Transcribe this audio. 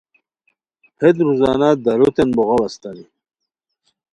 ہیت روزانہ داروتین بوغاؤ استانی